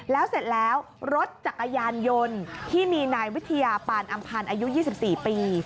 แล้วเสร็จแล้วรถจักรยานยนต์ที่มีนายวิทยาปานอำพันธ์อายุ๒๔ปี